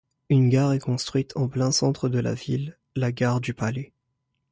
Une gare est construite en plein centre de la ville, la gare du Palais.